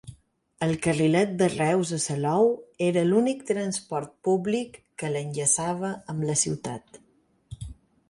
El Carrilet de Reus a Salou era l'únic transport públic que l'enllaçava amb la ciutat.